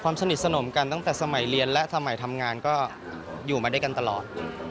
สนิทสนมกันตั้งแต่สมัยเรียนและสมัยทำงานก็อยู่มาด้วยกันตลอด